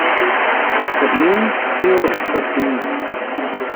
Sed nun ĉio estas finita.